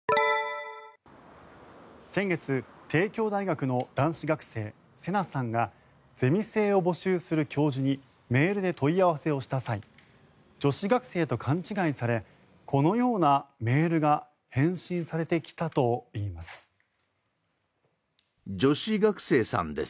先月、帝京大学の男子学生聖奈さんがゼミ生を募集する教授にメールで問い合わせをした際女子学生と勘違いされこのようなメールが返信されてきたといいます。